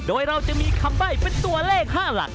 โดยเราจะมีคำใบ้เป็นตัวเลข๕หลัก